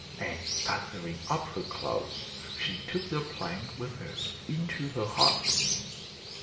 And gathering up her clothes she took the plank with her into her hut.